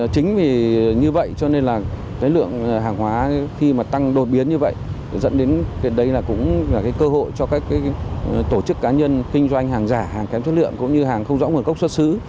chính vì như vậy cho nên là cái lượng hàng hóa khi mà tăng đột biến như vậy dẫn đến đây là cũng là cái cơ hội cho các tổ chức cá nhân kinh doanh hàng giả hàng kém chất lượng cũng như hàng không rõ nguồn gốc xuất xứ